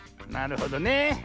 なるほどね。